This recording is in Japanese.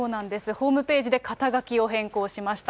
ホームページで肩書を変更しました。